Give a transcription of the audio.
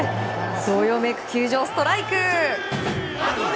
どよめく球場、ストライク！